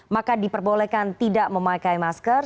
maka diperbolehkan tidak memakai masker